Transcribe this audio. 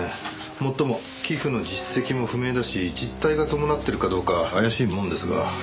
もっとも寄付の実績も不明だし実態が伴っているかどうか怪しいもんですが。